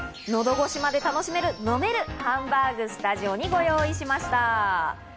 のどごしまで楽しめる飲めるハンバーグ、スタジオにご用意しました。